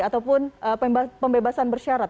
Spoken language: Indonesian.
ataupun pembebasan bersyarat